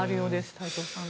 太蔵さん。